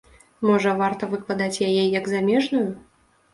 Можа варта выкладаць яе як замежную?